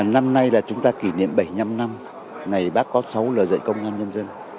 năm nay là chúng ta kỷ niệm bảy mươi năm năm ngày bác có sáu lời dạy công an nhân dân